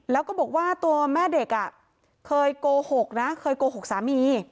แล้วก็บอกว่าตัวแม่เด็กเคยโกหกนะเคยโกหกสามี